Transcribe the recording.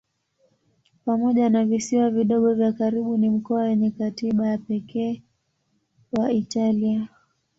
Pamoja na visiwa vidogo vya karibu ni mkoa wenye katiba ya pekee wa Italia.